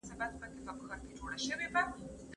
د احمد شاه ابدالي د مړينې وروسته څه پېښ سول؟